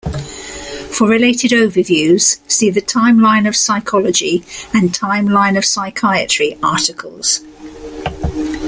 For related overviews see the Timeline of psychology and Timeline of psychiatry articles.